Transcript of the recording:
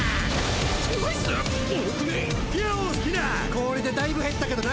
氷でだいぶ減ったけどな。